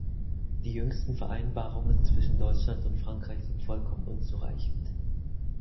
Die jüngsten Vereinbarungen zwischen Deutschland und Frankreich sind vollkommen unzureichend.